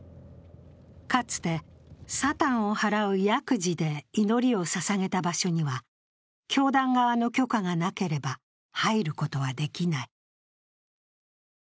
かつてサタンを払う役事で祈りをささげた場所には、教団側の許可がなければ入ることはできない。